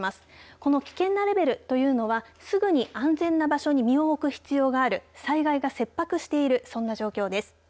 この危険なレベルというのはすぐに安全な場所に身を置く必要がある災害が切迫しているそんな状況です。